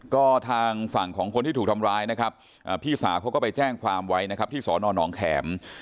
ก็ทางฝั่งของคนที่ถูกทำร้ายนะครับพี่สาวเขาก็ไปแจ้งความไว้นะครับที่สอนอนองแข็ม